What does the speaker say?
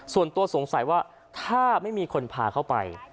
ส่วนตัวสงสัยว่าถ้าไม่มีคนพาเข้าไป